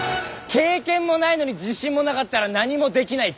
経験もないのに自信もなかったら何もできない。